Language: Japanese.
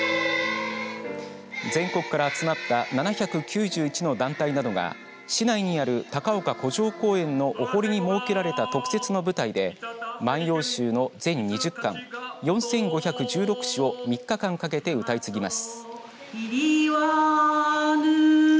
全国から集まった７９１の団体などが市内にある高岡古城公園のお堀に設けられた特設の舞台で万葉集の全２０巻４５１６首を３日間かけて歌い継ぎます。